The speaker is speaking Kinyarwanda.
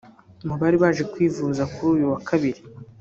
Mu bari baje kwivuza kuri uyu wa Kabiri